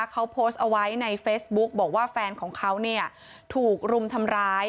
เขาโพสต์เอาไว้ในเฟซบุ๊กบอกว่าแฟนของเขาเนี่ยถูกรุมทำร้าย